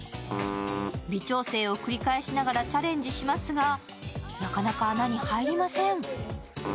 微調整を繰り返しながらチャレンジしますが、なかなか穴に入りません。